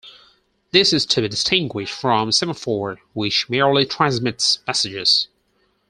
This is to be distinguished from "semaphore", which merely transmits messages.